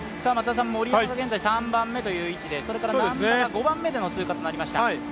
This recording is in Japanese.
森山が３番目という位置でそれから難波が５番目での通過となりました。